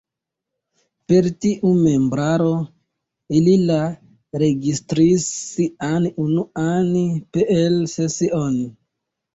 Per tiu membraro ili la registris sian unuan Peel-sesion.